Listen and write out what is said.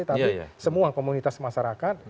tapi semua komunitas masyarakat